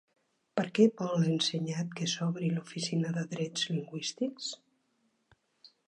Per què vol Ensenyat que s'obri l'Oficina de Drets Lingüístics?